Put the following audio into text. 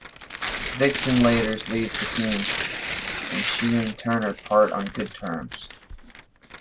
Vixen laters leaves the team, and she and Turner part on good terms.